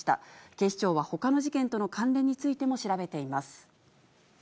警視庁はほかの事件との関連についても調べています。